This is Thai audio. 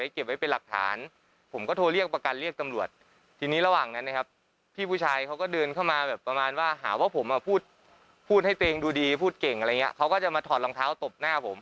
เขาก็ตบผมครับผมก็เอามือไปป้องไว้นะครับ